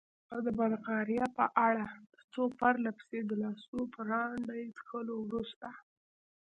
او د بلغاریا په اړه؟ د څو پرله پسې ګیلاسو برانډي څښلو وروسته.